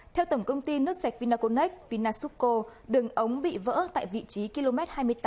theo tổng công ty nước sạch vinaconex vinasucco đường ống bị vỡ tại vị trí km hai mươi tám sáu trăm năm mươi